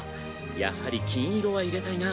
やはり金色は入れたいな。